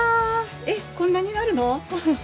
えっこんなになるの！？